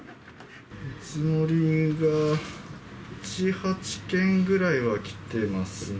見積もりが、ゃ７、８件ぐらいは来てますね。